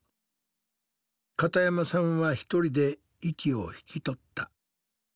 片山さんはひとりで息を引き取った。